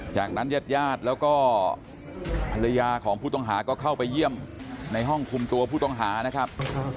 จากนั้นญาติญาติแล้วก็ภรรยาของผู้ต้องหาก็เข้าไปเยี่ยมในห้องคุมตัวผู้ต้องหานะครับ